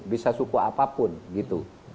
bisa suku apapun gitu